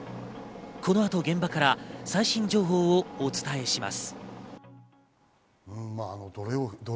この後、現場から最新情報をお伝えします。